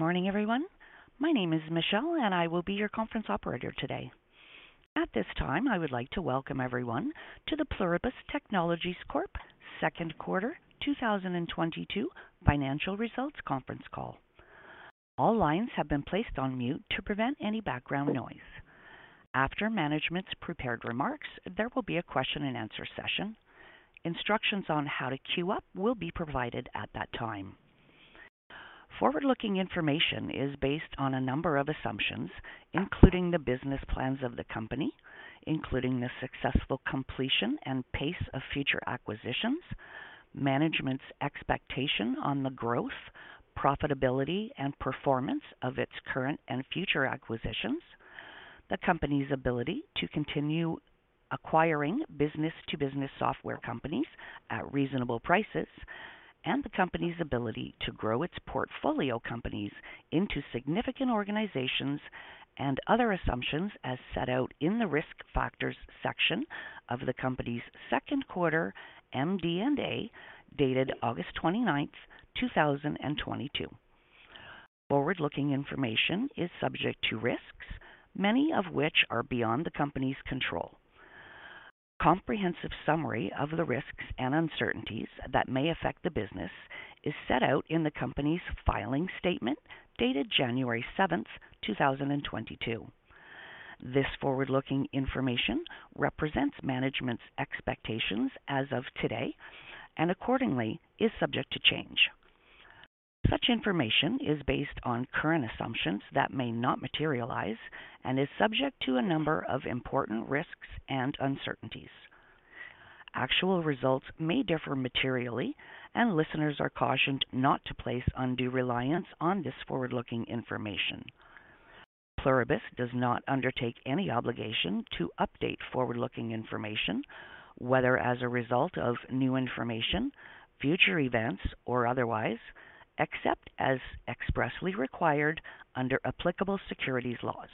Good morning, everyone. My name is Michelle, and I will be your conference operator today. At this time, I would like to welcome everyone to the Pluribus Technologies Corp Q2 2022 financial results conference call. All lines have been placed on mute to prevent any background noise. After management's prepared remarks, there will be a question and answer session. Instructions on how to queue up will be provided at that time. Forward-looking information is based on a number of assumptions, including the business plans of the company, including the successful completion and pace of future acquisitions, management's expectation on the growth, profitability and performance of its current and future acquisitions, the company's ability to continue acquiring business-to-business software companies at reasonable prices, and the company's ability to grow its portfolio companies into significant organizations and other assumptions as set out in the Risk Factors section of the company's Q2 MD&A, dated August 29, 2022. Forward-looking information is subject to risks, many of which are beyond the company's control. Comprehensive summary of the risks and uncertainties that may affect the business is set out in the company's filing statement dated January 7, 2022. This forward-looking information represents management's expectations as of today and accordingly is subject to change. Such information is based on current assumptions that may not materialize and is subject to a number of important risks and uncertainties. Actual results may differ materially, and listeners are cautioned not to place undue reliance on this forward-looking information. Pluribus does not undertake any obligation to update forward-looking information, whether as a result of new information, future events, or otherwise, except as expressly required under applicable securities laws.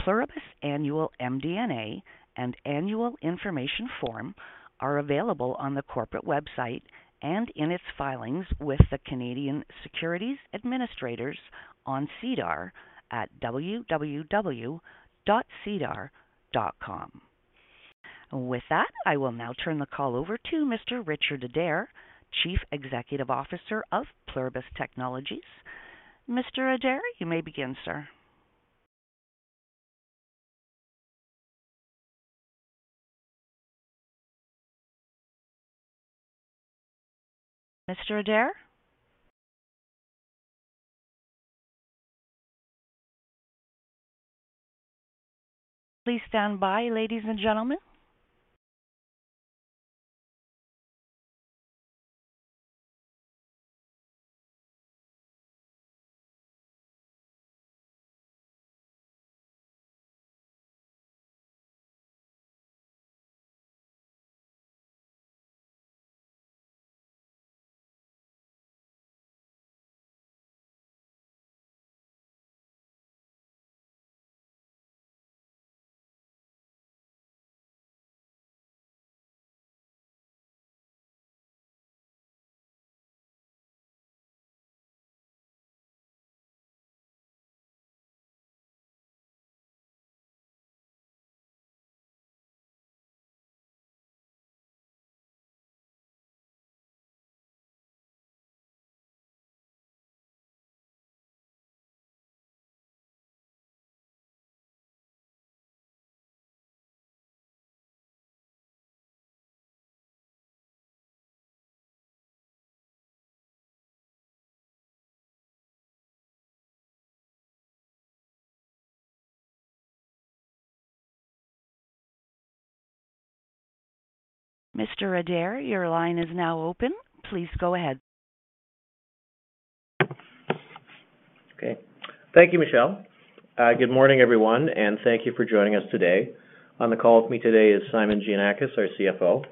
Pluribus annual MD&A and Annual Information Form are available on the corporate website and in its filings with the Canadian Securities Administrators on SEDAR at www.sedar.com. With that, I will now turn the call over to Mr. Richard Adair, Chief Executive Officer of Pluribus Technologies. Mr. Adair, you may begin, sir. Mr. Adair? Please stand by, ladies and gentlemen. Mr. Adair, your line is now open. Please go ahead. Okay. Thank you, Michelle. Good morning, everyone, and thank you for joining us today. On the call with me today is Simon Giannakis, our CFO.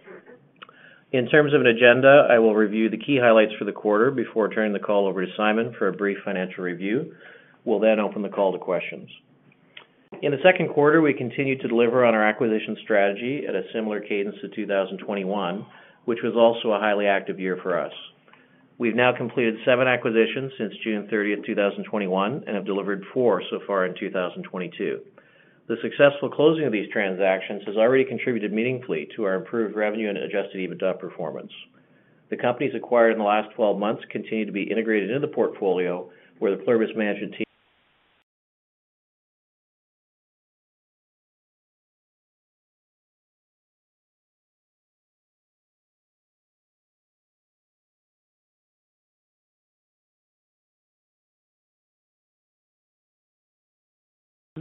In terms of an agenda, I will review the key highlights for the quarter before turning the call over to Simon for a brief financial review. We'll then open the call to questions. In the Q2, we continued to deliver on our acquisition strategy at a similar cadence to 2021, which was also a highly active year for us. We've now completed seven acquisitions since June 30, 2021, and have delivered four so far in 2022. The successful closing of these transactions has already contributed meaningfully to our improved revenue and Adjusted EBITDA performance. The companies acquired in the last 12 months continue to be integrated into the portfolio where the Pluribus management team.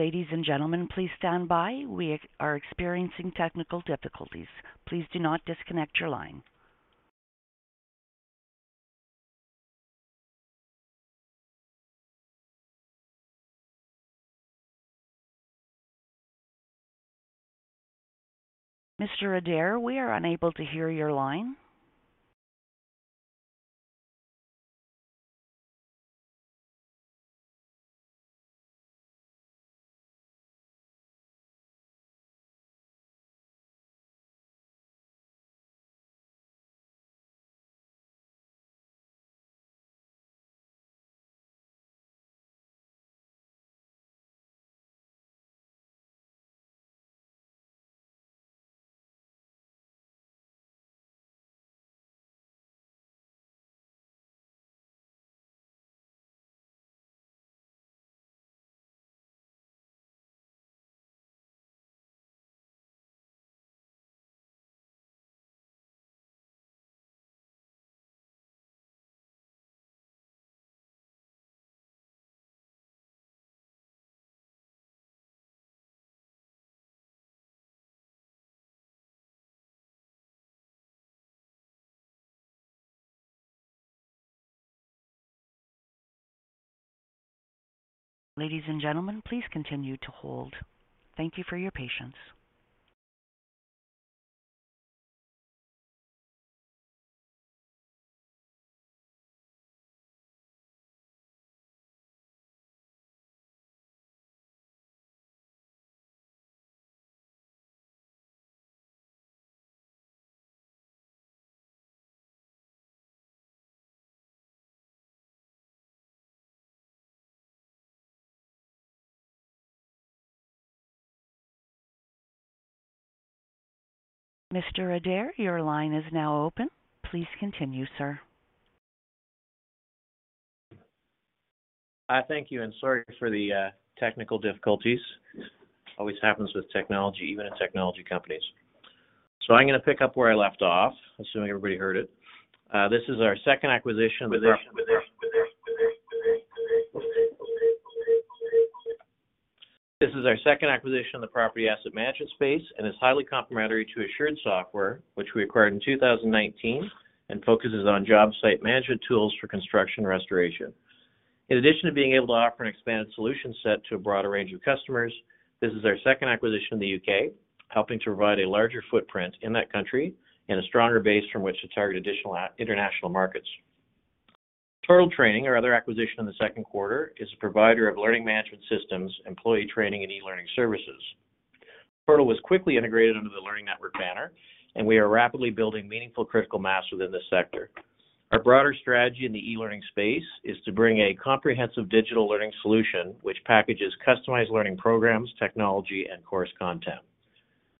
Ladies and gentlemen, please stand by. We are experiencing technical difficulties. Please do not disconnect your line. Mr. Adair, we are unable to hear your line. Ladies and gentlemen, please continue to hold. Thank you for your patience. Mr. Adair, your line is now open. Please continue, sir. Thank you, and sorry for the technical difficulties. Always happens with technology, even in technology companies. I'm gonna pick up where I left off, assuming everybody heard it. This is our second acquisition in the property asset management space, and is highly complementary to Assured Software, which we acquired in 2019, and focuses on job site management tools for construction restoration. In addition to being able to offer an expanded solution set to a broader range of customers, this is our second acquisition in the U.K., helping to provide a larger footprint in that country and a stronger base from which to target additional international markets. Tortal Training, our other acquisition in the Q2, is a provider of learning management systems, employee training, and e-learning services. Total Training was quickly integrated under The Learning Network banner, and we are rapidly building meaningful critical mass within this sector. Our broader strategy in the e-learning space is to bring a comprehensive digital learning solution which packages customized learning programs, technology, and course content.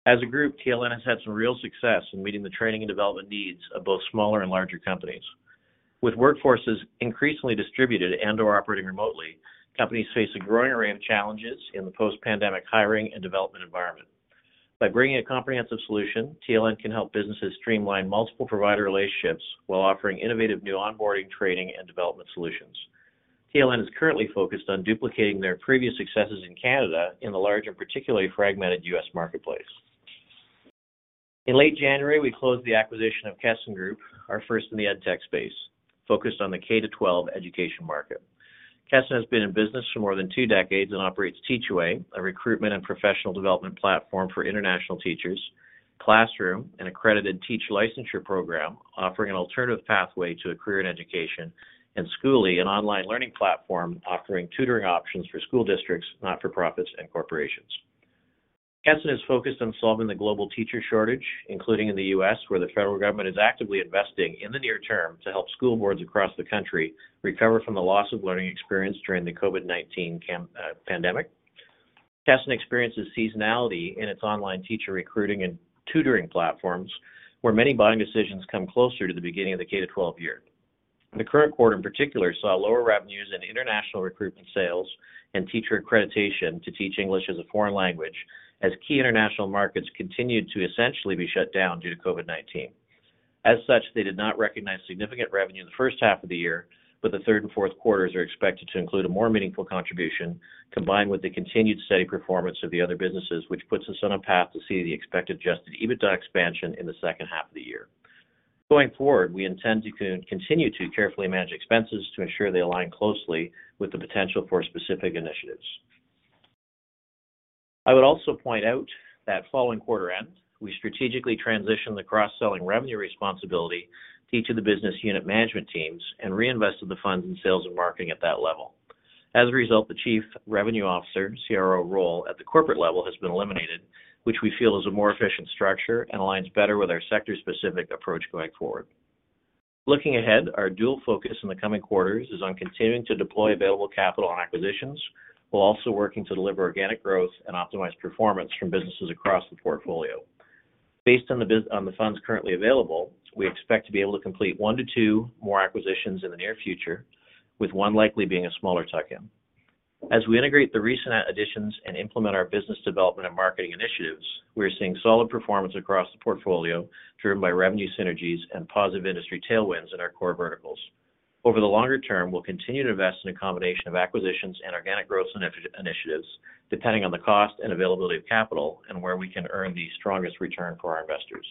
As a group, TLN has had some real success in meeting the training and development needs of both smaller and larger companies. With workforces increasingly distributed and/or operating remotely, companies face a growing array of challenges in the post-pandemic hiring and development environment. By bringing a comprehensive solution, TLN can help businesses streamline multiple provider relationships while offering innovative new onboarding, training, and development solutions. TLN is currently focused on duplicating their previous successes in Canada in the large and particularly fragmented U.S. marketplace. In late January, we closed the acquisition of Kesson Group, our first in the EdTech space, focused on the K-12 education market. Kesson has been in business for more than two decades and operates Teach Away, a recruitment and professional development platform for international teachers, Klassroom, an accredited teacher licensure program offering an alternative pathway to a career in education, and Skooli, an online learning platform offering tutoring options for school districts, not-for-profits, and corporations. Kesson is focused on solving the global teacher shortage, including in the U.S., where the federal government is actively investing in the near term to help school boards across the country recover from the loss of learning experience during the COVID-19 pandemic. Kesson experiences seasonality in its online teacher recruiting and tutoring platforms, where many buying decisions come closer to the beginning of the K-12 year. The current quarter in particular saw lower revenues in international recruitment sales and teacher accreditation to teach English as a foreign language as key international markets continued to essentially be shut down due to COVID-19. As such, they did not recognize significant revenue in the first half of the year, but the third and Q4s are expected to include a more meaningful contribution, combined with the continued steady performance of the other businesses, which puts us on a path to see the expected Adjusted EBITDA expansion in the second half of the year. Going forward, we intend to continue to carefully manage expenses to ensure they align closely with the potential for specific initiatives. I would also point out that following quarter end, we strategically transitioned the cross-selling revenue responsibility to each of the business unit management teams and reinvested the funds in sales and marketing at that level. As a result, the chief revenue officer, CRO role at the corporate level has been eliminated, which we feel is a more efficient structure and aligns better with our sector-specific approach going forward. Looking ahead, our dual focus in the coming quarters is on continuing to deploy available capital on acquisitions while also working to deliver organic growth and optimize performance from businesses across the portfolio. Based on the funds currently available, we expect to be able to complete 1-2 more acquisitions in the near future, with one likely being a smaller tuck-in. As we integrate the recent additions and implement our business development and marketing initiatives, we are seeing solid performance across the portfolio, driven by revenue synergies and positive industry tailwinds in our core verticals. Over the longer term, we'll continue to invest in a combination of acquisitions and organic growth initiatives, depending on the cost and availability of capital and where we can earn the strongest return for our investors.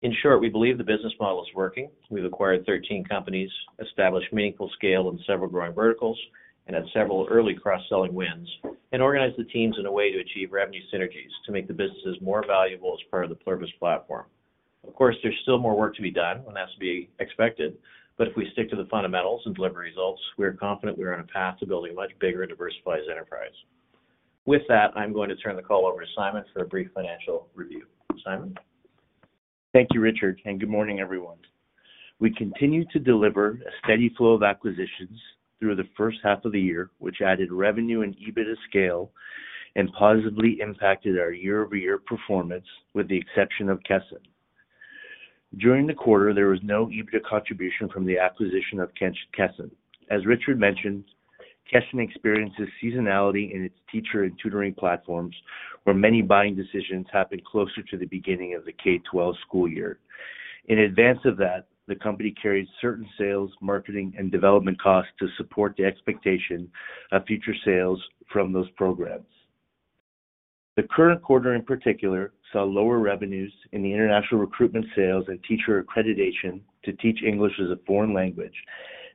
In short, we believe the business model is working. We've acquired 13 companies, established meaningful scale in several growing verticals, and had several early cross-selling wins, and organized the teams in a way to achieve revenue synergies to make the businesses more valuable as part of the Pluribus platform. Of course, there's still more work to be done, and that's to be expected, but if we stick to the fundamentals and deliver results, we are confident we are on a path to building a much bigger, diversified enterprise. With that, I'm going to turn the call over to Simon for a brief financial review. Simon? Thank you, Richard, and good morning, everyone. We continue to deliver a steady flow of acquisitions through the first half of the year, which added revenue and EBITDA scale and positively impacted our year-over-year performance, with the exception of Kesson. During the quarter, there was no EBITDA contribution from the acquisition of Kesson. As Richard mentioned, Kesson experiences seasonality in its teacher and tutoring platforms, where many buying decisions happen closer to the beginning of the K-12 school year. In advance of that, the company carries certain sales, marketing, and development costs to support the expectation of future sales from those programs. The current quarter in particular saw lower revenues in the international recruitment sales and teacher accreditation to teach English as a foreign language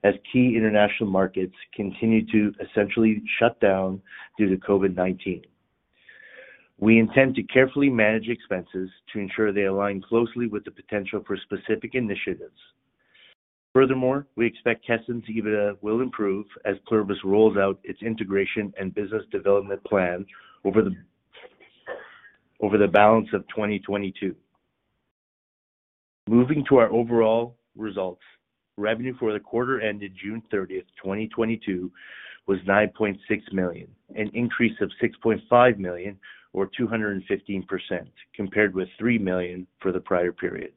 as key international markets continued to essentially shut down due to COVID-19. We intend to carefully manage expenses to ensure they align closely with the potential for specific initiatives. Furthermore, we expect Kesson's EBITDA will improve as Pluribus rolls out its integration and business development plan over the balance of 2022. Moving to our overall results. Revenue for the quarter ended June 30th, 2022 was 9.6 million, an increase of 6.5 million or 215% compared with 3 million for the prior period.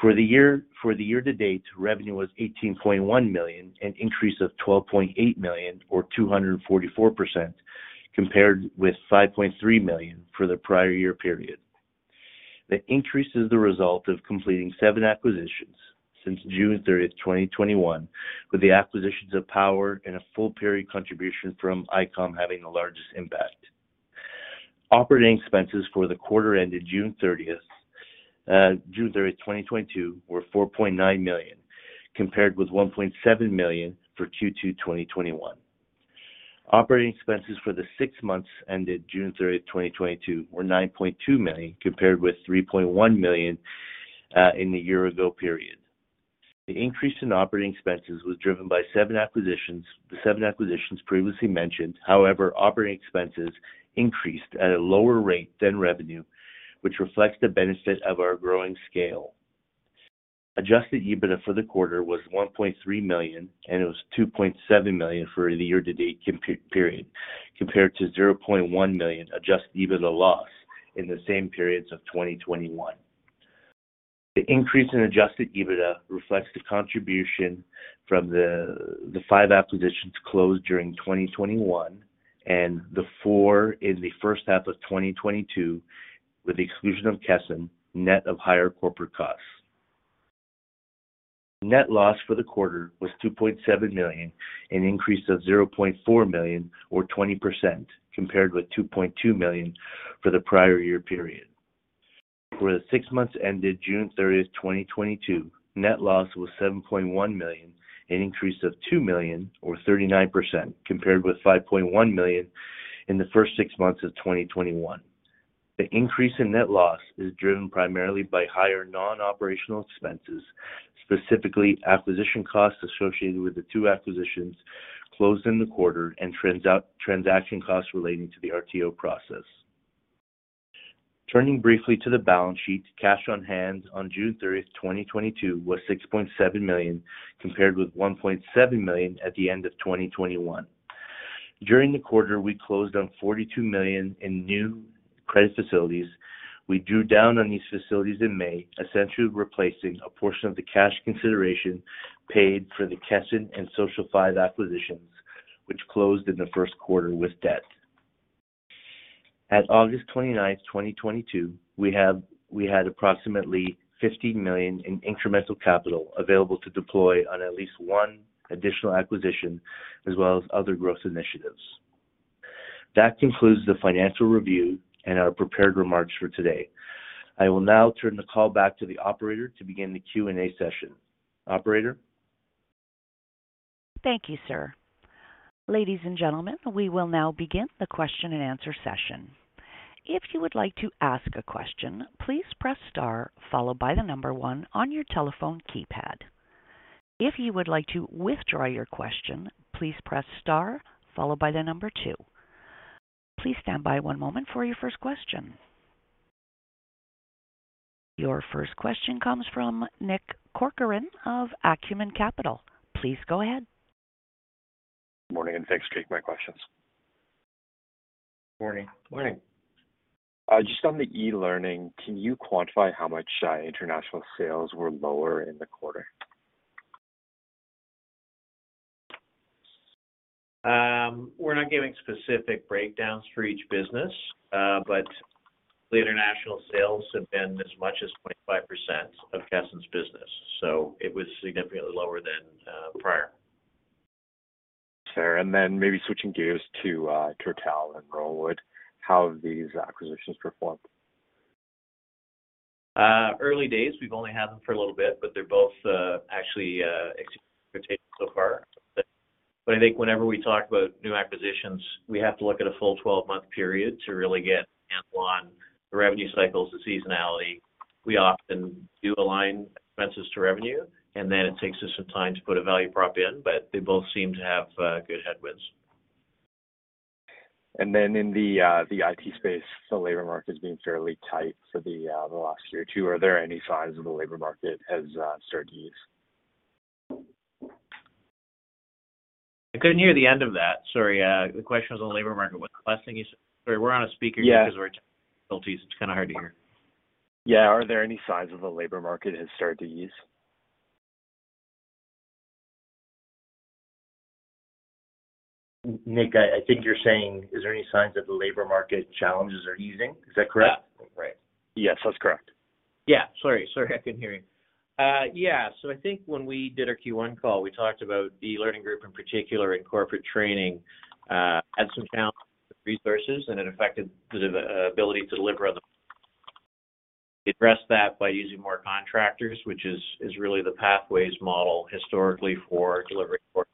For the year to date, revenue was 18.1 million, an increase of 12.8 million or 244% compared with 5.3 million for the prior year period. The increase is the result of completing 7 acquisitions since June 30th, 2021, with the acquisitions of POWR and a full period contribution from ICOM having the largest impact. Operating expenses for the quarter ended June thirtieth, 2022 were 4.9 million, compared with 1.7 million for Q2, 2021. Operating expenses for the six months ended June thirtieth, 2022 were 9.2 million, compared with 3.1 million in the year ago period. The increase in operating expenses was driven by seven acquisitions, the seven acquisitions previously mentioned. However, operating expenses increased at a lower rate than revenue, which reflects the benefit of our growing scale. Adjusted EBITDA for the quarter was 1.3 million, and it was 2.7 million for the year-to-date period, compared to zero point one million adjusted EBITDA loss in the same periods of 2021. The increase in adjusted EBITDA reflects the contribution from the five acquisitions closed during 2021 and the four in the first half of 2022, with the exclusion of Kesson, net of higher corporate costs. Net loss for the quarter was 2.7 million, an increase of 0.4 million or 20% compared with 2.2 million for the prior year period. For the six months ended June 30, 2022, net loss was 7.1 million, an increase of 2 million or 39% compared with 5.1 million in the first six months of 2021. The increase in net loss is driven primarily by higher non-operational expenses, specifically acquisition costs associated with the two acquisitions closed in the quarter and transaction costs relating to the RTO process. Turning briefly to the balance sheet, cash on hand on June 30, 2022 was 6.7 million, compared with 1.7 million at the end of 2021. During the quarter, we closed on 42 million in new credit facilities. We drew down on these facilities in May, essentially replacing a portion of the cash consideration paid for the Kesson and Social5 acquisitions, which closed in the Q1 with debt. At August 29, 2022, we had approximately 50 million in incremental capital available to deploy on at least one additional acquisition as well as other growth initiatives. That concludes the financial review and our prepared remarks for today. I will now turn the call back to the operator to begin the Q&A session. Operator? Thank you, sir. ladies and gentlemen, we will now begin the question and answer session. If you would like to ask a question, please press star followed by the number one on your telephone keypad. If you would like to withdraw your question, please press star followed by the number two. Please stand by one moment for your first question. Your first question comes from Nick Corcoran of Acumen Capital Partners. Please go ahead. Morning, thanks. Take my questions. Morning. Morning. Just on the e-learning, can you quantify how much international sales were lower in the quarter? We're not giving specific breakdowns for each business, but the international sales have been as much as 25% of Kesson's business, so it was significantly lower than prior. Sure. Maybe switching gears to Tortal Training and Rowanwood, how have these acquisitions performed? Early days. We've only had them for a little bit, but they're both actually exceeding expectations so far. I think whenever we talk about new acquisitions, we have to look at a full 12-month period to really get a handle on the revenue cycles, the seasonality. We often do align expenses to revenue, and then it takes us some time to put a value prop in, but they both seem to have good headwinds. In the IT space, the labor market has been fairly tight for the last year or two. Are there any signs of the labor market has started to ease? I couldn't hear the end of that. Sorry, the question was on labor market. Sorry, we're on a speaker here. Yeah. It's kinda hard to hear. Yeah. Are there any signs that the labor market has started to ease? Nick, I think you're saying is there any signs that the labor market challenges are easing? Is that correct? Yeah. Right. Yes, that's correct. Yeah. Sorry, I couldn't hear you. Yeah. I think when we did our Q1 call, we talked about the learning group in particular in corporate training had some challenges with resources, and it affected the ability to deliver. We addressed that by using more contractors, which is really the pathways model historically for delivering for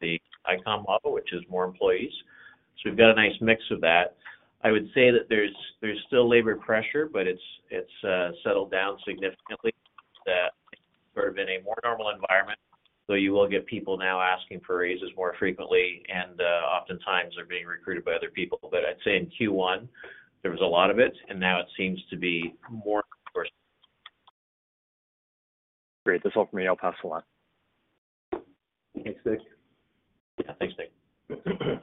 the ICOM model, which is more employees. We've got a nice mix of that. I would say that there's still labor pressure, but it's settled down significantly that sort of in a more normal environment. You will get people now asking for raises more frequently, and oftentimes they're being recruited by other people. I'd say in Q1, there was a lot of it, and now it seems to be more diverse. Great. That's all from me. I'll pass along. Thanks, Nick. Yeah. Thanks, Nick.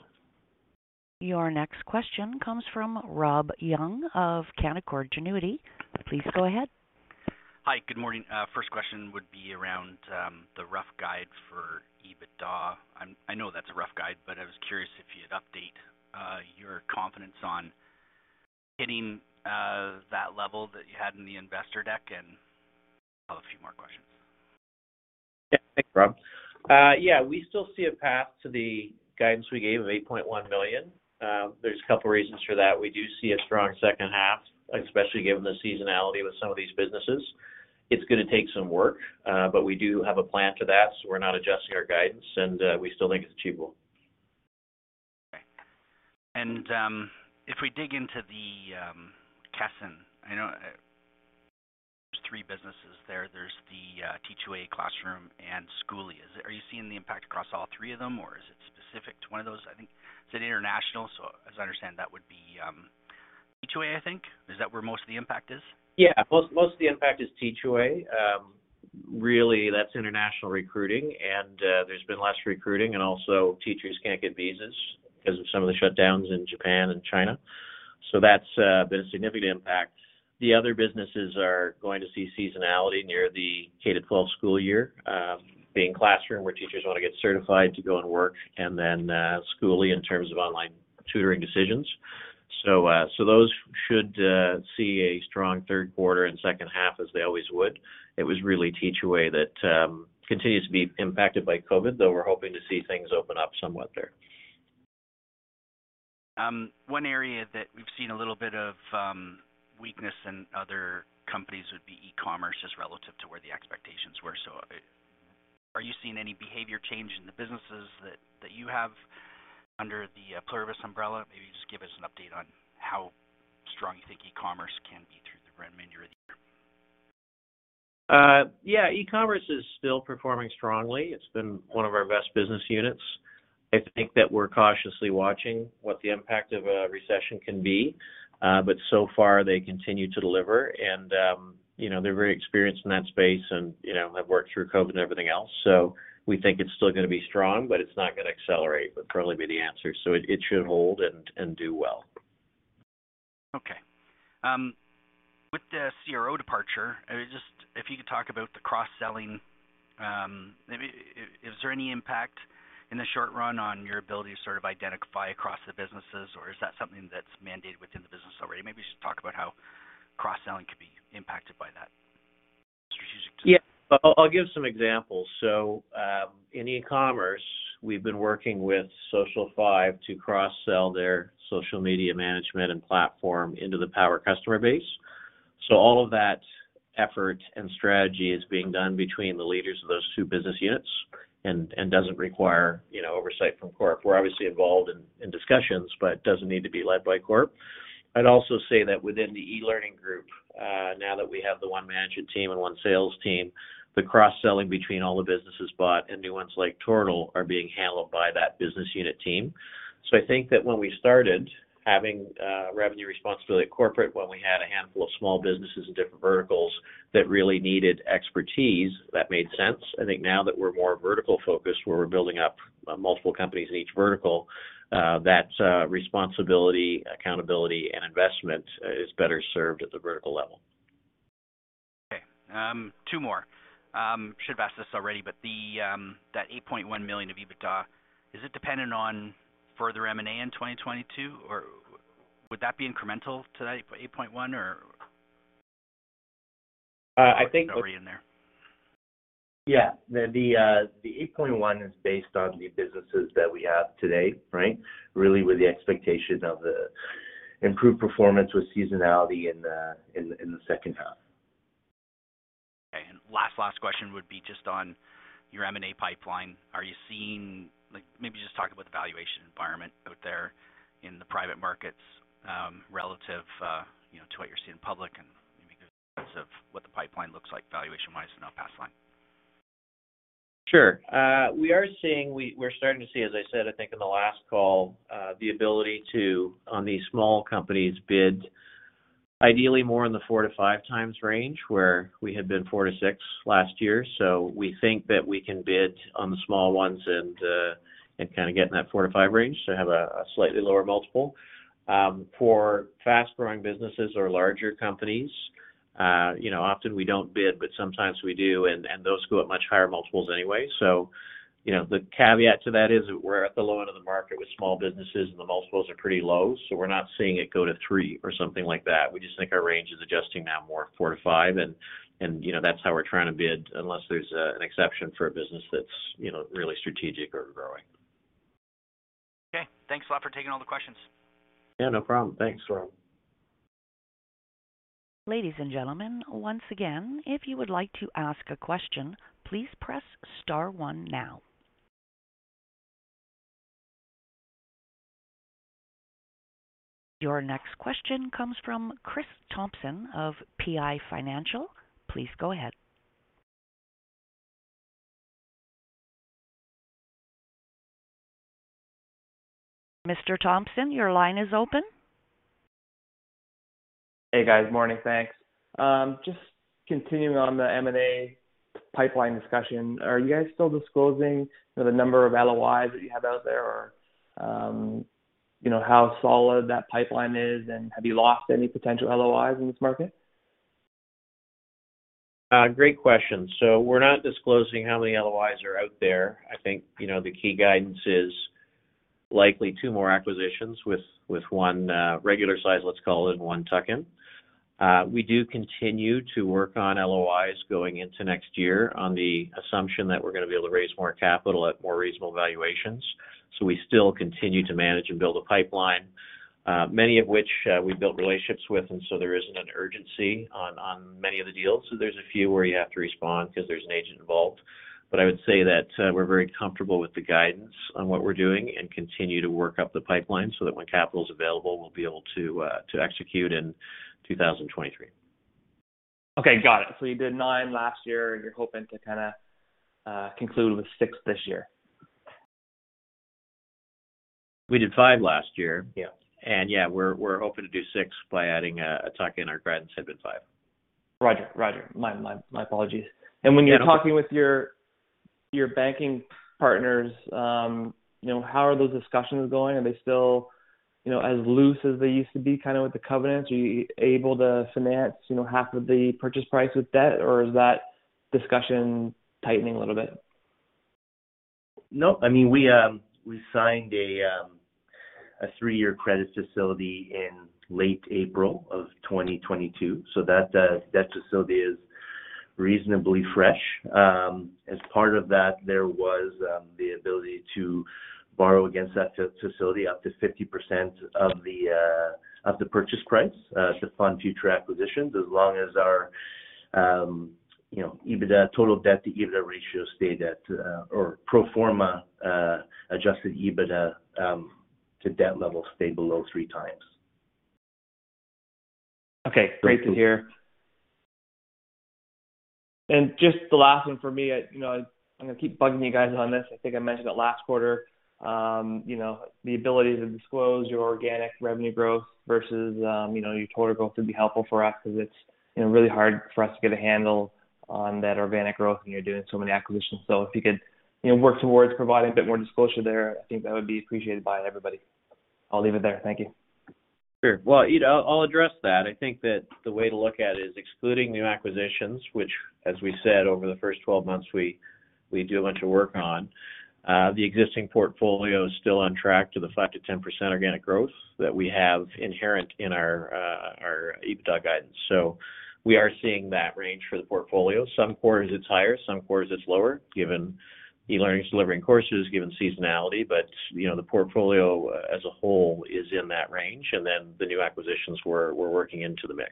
Your next question comes from Rob Young of Canaccord Genuity. Please go ahead. Hi. Good morning. First question would be around the rough guide for EBITDA. I know that's a rough guide, but I was curious if you'd update your confidence on hitting that level that you had in the investor deck, and I have a few more questions. Yeah. Thanks, Rob. Yeah. We still see a path to the guidance we gave of 8.1 million. There's a couple of reasons for that. We do see a strong second half, especially given the seasonality with some of these businesses. It's gonna take some work, but we do have a plan for that, so we're not adjusting our guidance, and we still think it's achievable. Okay. If we dig into the Kesson, I know there's three businesses there. There's the Teach Away, Klassroom, and Skooli. Are you seeing the impact across all three of them, or is it specific to one of those? I think it's an international, so as I understand that would be Teach Away, I think. Is that where most of the impact is? Yeah. Most of the impact is Teach Away. Really, that's international recruiting, and there's been less recruiting and also teachers can't get visas because of some of the shutdowns in Japan and China. That's been a significant impact. The other businesses are going to see seasonality near the K-12 school year, being Klassroom where teachers wanna get certified to go and work and then Skooli in terms of online tutoring decisions. Those should see a strong Q3 and second half as they always would. It was really Teach Away that continues to be impacted by COVID, though we're hoping to see things open up somewhat there. One area that we've seen a little bit of weakness in other companies would be e-commerce as relative to where the expectations were. Are you seeing any behavior change in the businesses that you have under the Pluribus umbrella? Maybe just give us an update on how strong you think e-commerce can be through the remainder of the year? Yeah. E-commerce is still performing strongly. It's been one of our best business units. I think that we're cautiously watching what the impact of a recession can be. So far, they continue to deliver and, you know, they're very experienced in that space and, you know, have worked through COVID and everything else. We think it's still gonna be strong, but it's not gonna accelerate, would probably be the answer. It should hold and do well. Okay. With the CRO departure, I mean, just if you could talk about the cross-selling, maybe is there any impact in the short run on your ability to sort of identify across the businesses, or is that something that's mandated within the business already? Maybe just talk about how cross-selling could be impacted by that strategic team. Yeah. I'll give some examples. In e-commerce, we've been working with Social5 to cross-sell their social media management and platform into the POWR customer base. All of that effort and strategy is being done between the leaders of those two business units and doesn't require, you know, oversight from corp. We're obviously involved in discussions, but it doesn't need to be led by corp. I'd also say that within the e-learning group, now that we have the one management team and one sales team, the cross-selling between all the businesses bought and new ones like Tortal are being handled by that business unit team. I think that when we started having revenue responsibility at corporate, when we had a handful of small businesses in different verticals that really needed expertise, that made sense. I think now that we're more vertical-focused, where we're building up multiple companies in each vertical, that responsibility, accountability, and investment is better served at the vertical level. Okay. Two more. Should have asked this already, but that 8.1 million of EBITDA, is it dependent on further M&A in 2022, or would that be incremental to that 8.1 million, or? I think. Already in there. Yeah. The 8.1 is based on the businesses that we have today, right? Really with the expectation of the improved performance with seasonality in the second half. Okay. Last question would be just on your M&A pipeline. Are you seeing like, maybe just talk about the valuation environment out there in the private markets, relative, you know, to what you're seeing public and maybe give a sense of what the pipeline looks like valuation-wise and on baseline. Sure. We're starting to see, as I said, I think in the last call, the ability to, on these small companies, bid ideally more in the 4-5x range, where we had been 4-6x last year. We think that we can bid on the small ones and kinda get in that 4-5x range to have a slightly lower multiple. For fast-growing businesses or larger companies, you know, often we don't bid, but sometimes we do, and those go at much higher multiples anyway. You know, the caveat to that is that we're at the low end of the market with small businesses, and the multiples are pretty low, so we're not seeing it go to three or something like that. We just think our range is adjusting now more four-five and, you know, that's how we're trying to bid unless there's an exception for a business that's, you know, really strategic or growing. Okay. Thanks a lot for taking all the questions. Yeah, no problem. Thanks, Rob. Ladies and gentlemen, once again, if you would like to ask a question, please press star one now. Your next question comes from Chris Thompson of PI Financial. Please go ahead. Mr. Thompson, your line is open. Hey, guys. Morning. Thanks. Just continuing on the M&A pipeline discussion. Are you guys still disclosing the number of LOIs that you have out there or, you know, how solid that pipeline is? Have you lost any potential LOIs in this market? Great question. We're not disclosing how many LOIs are out there. I think, you know, the key guidance is likely two more acquisitions with one regular size, let's call it, one tuck-in. We do continue to work on LOIs going into next year on the assumption that we're gonna be able to raise more capital at more reasonable valuations. We still continue to manage and build a pipeline, many of which we built relationships with, and so there isn't an urgency on many of the deals. There's a few where you have to respond because there's an agent involved. I would say that we're very comfortable with the guidance on what we're doing and continue to work up the pipeline so that when capital is available, we'll be able to to execute in 2023. Okay, got it. You did nine last year, and you're hoping to kinda conclude with six this year. We did five last year. Yeah. Yeah, we're hoping to do six by adding a tuck-in. Our guidance had been five. Roger. My apologies. Yeah, no. When you're talking with your banking partners, you know, how are those discussions going? Are they still, you know, as loose as they used to be, kinda with the covenants? Are you able to finance, you know, half of the purchase price with debt, or is that discussion tightening a little bit? No. I mean, we signed a three-year credit facility in late April of 2022, so that facility is reasonably fresh. As part of that, there was the ability to borrow against that facility up to 50% of the purchase price to fund future acquisitions as long as our you know EBITDA total debt-to-EBITDA ratio stayed at or pro forma adjusted EBITDA to debt levels stay below 3x. Okay. Great to hear. Just the last one for me. You know, I'm gonna keep bugging you guys on this. I think I mentioned it last quarter. You know, the ability to disclose your organic revenue growth versus, you know, your total growth would be helpful for us 'cause it's, you know, really hard for us to get a handle on that organic growth, and you're doing so many acquisitions. So if you could, you know, work towards providing a bit more disclosure there, I think that would be appreciated by everybody. I'll leave it there. Thank you. Sure. Well, I'll address that. I think that the way to look at it is excluding new acquisitions, which, as we said, over the first 12 months, we do a bunch of work on. The existing portfolio is still on track to the 5%-10% organic growth that we have inherent in our EBITDA guidance. We are seeing that range for the portfolio. Some quarters it's higher, some quarters it's lower, given e-learning is delivering courses, given seasonality. You know, the portfolio as a whole is in that range, and then the new acquisitions we're working into the mix.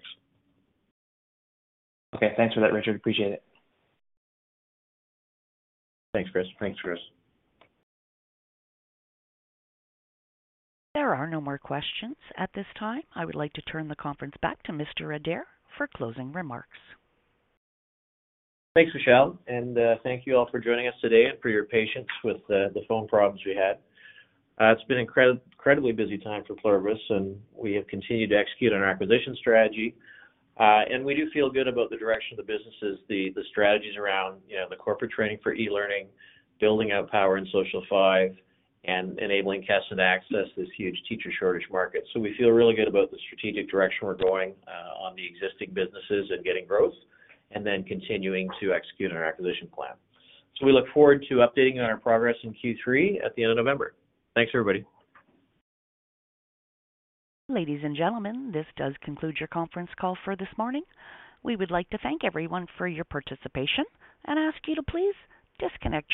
Okay. Thanks for that, Richard. Appreciate it. Thanks, Chris. Thanks, Chris. There are no more questions at this time. I would like to turn the conference back to Mr. Adair for closing remarks. Thanks, Michelle. Thank you all for joining us today and for your patience with the phone problems we had. It's been an incredibly busy time for Pluribus, and we have continued to execute on our acquisition strategy. We do feel good about the direction of the businesses, the strategies around, you know, the corporate training for e-learning, building out Power in Social5, and enabling Kesson to access this huge teacher shortage market. We feel really good about the strategic direction we're going on the existing businesses and getting growth, and then continuing to execute on our acquisition plan. We look forward to updating on our progress in Q3 at the end of November. Thanks, everybody. Ladies and gentlemen, this does conclude your conference call for this morning. We would like to thank everyone for your participation and ask you to please disconnect your lines.